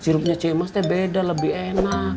sipropnya ce imas teh beda lebih enak